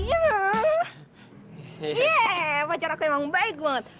yeay pacar aku emang baik banget